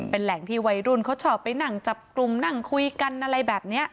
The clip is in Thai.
เป็นแหล่งที่วัยรุ่นเขาชอบไปนั่งจับกลุ่มนั่งคุยกันอะไรแบบนี้